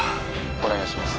「お願いします」